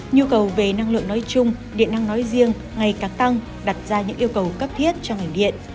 nhu cầu về năng lượng nói chung điện năng nói riêng ngày càng tăng đặt ra những yêu cầu cấp thiết cho ngành điện